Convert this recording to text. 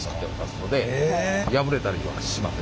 破れたりはしません。